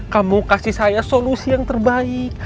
kamu kasih saya solusi yang terbaik